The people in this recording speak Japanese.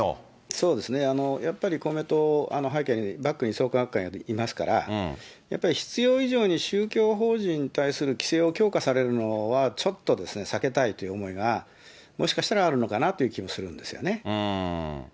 そうですね、やっぱり公明党、背景に、バックに創価学会がいますから、やっぱり必要以上に宗教法人に対する規制を強化されるのはちょっと避けたいという思いが、もしかしたらあるのかなという気もするんですよね。